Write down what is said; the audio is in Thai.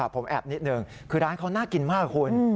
ผมแอบนิดนึงคือร้านเขาน่ากินมากคุณ